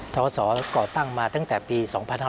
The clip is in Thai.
ธกษ์ศรก่อตั้งมาตั้งแต่ปี๒๕๐๙